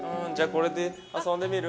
これで遊んでみる？